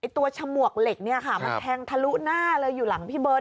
ตัวฉมวกเหล็กเนี่ยค่ะมันแทงทะลุหน้าเลยอยู่หลังพี่เบิร์ต